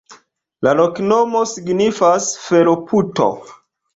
La loknomo signifas: fero-puto.